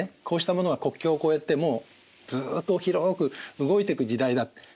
こうしたものが国境を越えてもうずっと広く動いてく時代だ。